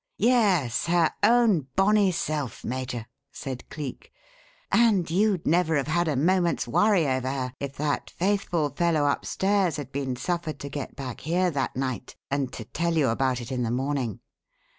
"Yes, her own bonny self, Major," said Cleek "and you'd never have had a moment's worry over her if that faithful fellow upstairs had been suffered to get back here that night and to tell you about it in the morning.